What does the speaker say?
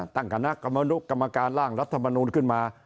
ตั้งกำหนักกรรมการร่างรัฐมนุนขึ้นมา